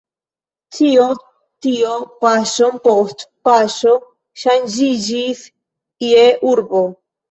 Ĉio tio paŝon post paŝo ŝanĝiĝis je urbo.